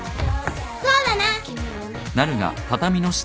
そうだな。